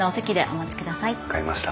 分かりました。